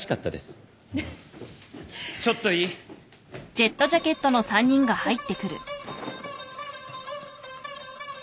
ちょっといい？えっ！？